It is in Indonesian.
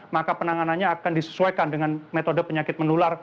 maka penanganannya akan disesuaikan dengan metode penyakit menular